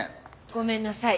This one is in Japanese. ごめんなさい。